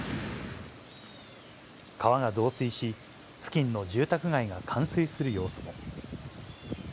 川が増水し、付近の住宅街が冠水する様子も。